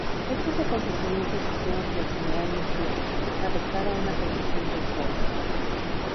Estos acontecimientos hicieron que el General Mejía, adoptara una posición de espera.